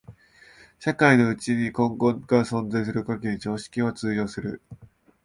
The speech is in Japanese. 社会のうちに均衡が存在する限り常識は通用する。